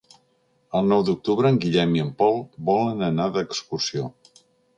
El nou d'octubre en Guillem i en Pol volen anar d'excursió.